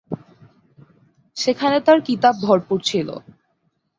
সেখানে তার কিতাব ভরপুর ছিল।